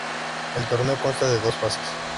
El torneo consta de dos fases.